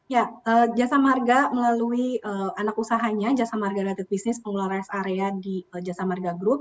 ya jasa marga melalui anak usahanya jasa marga united business mengelola rest area di jasa marga group